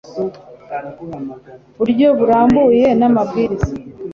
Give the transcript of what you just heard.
buryo burambuye n amabwiriza